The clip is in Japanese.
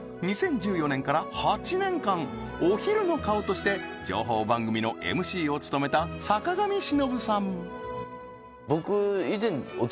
２０１４年から８年間お昼の顔として情報番組のＭＣを務めた坂上忍さん僕ええー